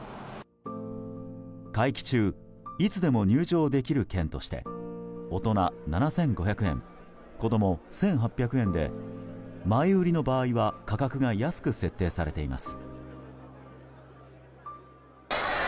会期中いつでも入場できる券として大人７５００円子供１８００円で前売りの場合は価格が安く設定されています。